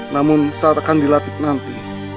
namun saat akan dilatih nanti